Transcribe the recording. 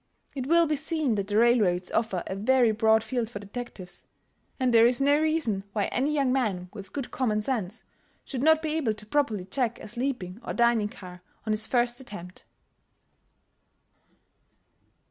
It will be seen that the railroads offer a very broad field for detectives, and there is no reason why any young man with good common sense should not be able to properly check a sleeping or dining car on his first attempt.